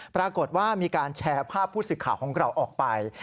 ปรากฏว่ามีการแชร์ภาพผู้สื่อข่าวของเราออกไป